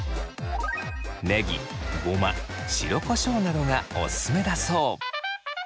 ねぎごま白こしょうなどがおすすめだそう。